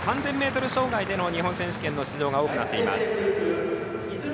３０００ｍ障害での日本選手権の出場が多くなっています。